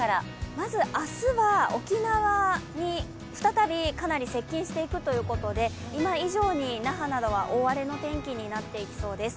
まず、明日は沖縄に再びかなり接近していくということで、今以上に那覇などは大荒れの天気になっていきそうです。